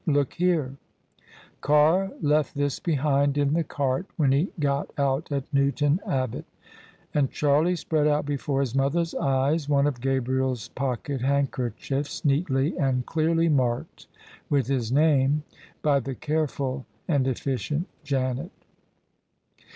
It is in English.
Look here: Carr left this behind in the cart when he got out at Newton Abbot." And Charlie spread out before his mother's eyes one of Gabriers pocket handkerchiefs, neatly and clearly marked with his name by the careful and effi cient Janet.